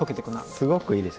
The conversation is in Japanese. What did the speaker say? すごくいいですよね。